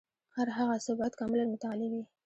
هر هغه څه باید کاملاً متعالي وي.